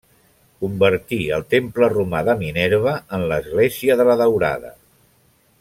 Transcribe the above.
Convertí el temple romà de Minerva en l'església de la Daurada.